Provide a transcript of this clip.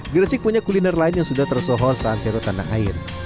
gresik punya kuliner lain yang sudah tersohos saat mencetak tanah air